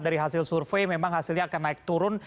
dari hasil survei memang hasilnya akan naik turun